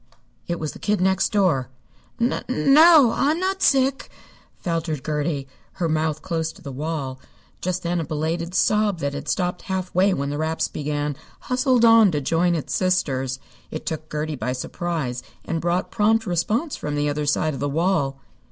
It was the Kid Next Door. "N no, I'm not sick," faltered Gertie, her mouth close to the wall. Just then a belated sob that had stopped halfway when the raps began hustled on to join its sisters. It took Gertie by surprise, and brought prompt response from the other side of the wall.